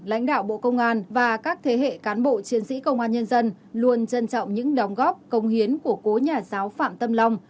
lãnh đạo bộ công an và các thế hệ cán bộ chiến sĩ công an nhân dân luôn trân trọng những đóng góp công hiến của cố nhà giáo phạm tâm long